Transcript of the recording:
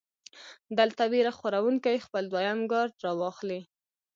دلته وېره خوروونکے خپل دويم کارډ راواخلي -